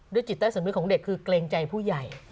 ด้วยจิตใต้สมมุติของเด็กคือเกรงใจผู้ใหญ่